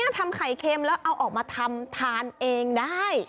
ทำไข่เค็มแล้วเอาออกมาทำทานเองได้